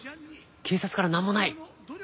警察からなんもない？